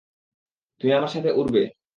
তুমি আমার সাথে উড়বে।